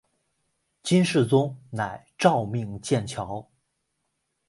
金世宗乃诏命建桥。